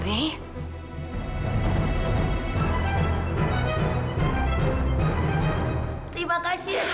terima kasih t